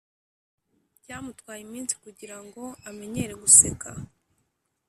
byamutwaye iminsi kugira ngo amenyere guseka